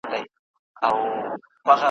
په خبرو سره لمبه وه لکه اور وه `